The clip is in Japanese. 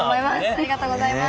ありがとうございます。